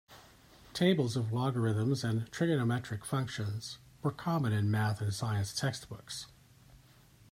Tables of logarithms and trigonometric functions were common in math and science textbooks.